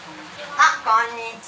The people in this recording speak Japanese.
あっこんにちは。